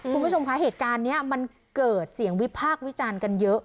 คุณผู้ชมคะเหตุการณ์นี้มันเกิดเสียงวิพากษ์วิจารณ์กันเยอะ